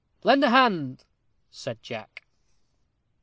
"Lend a hand," said Jack.